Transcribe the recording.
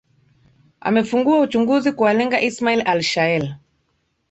amefunguwa uchunguzi kuwalenga ismail al shael